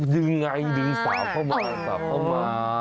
ยังไงดึงสาวเข้ามาสาวเข้ามา